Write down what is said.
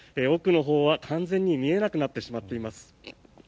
奥のほうは完全に見えなくなってしまっています。